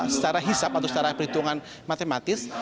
secara hisap atau secara perhitungan matematis